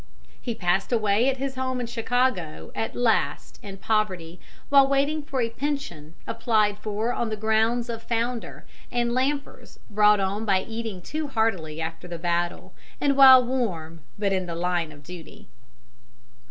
He passed away at his home in Chicago at last in poverty while waiting for a pension applied for on the grounds of founder and lampers brought on by eating too heartily after the battle and while warm, but in the line of duty.